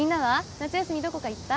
夏休みどこか行った？